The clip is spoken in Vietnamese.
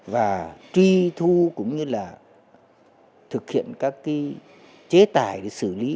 và truy thu cũng như là thực hiện các chế tài để xử lý